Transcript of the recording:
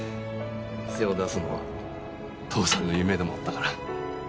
店を出すのは父さんの夢でもあったから。